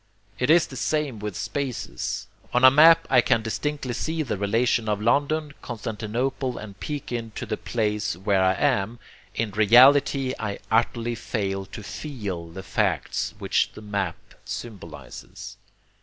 It is the same with spaces. On a map I can distinctly see the relation of London, Constantinople, and Pekin to the place where I am; in reality I utterly fail to FEEL the facts which the map symbolizes.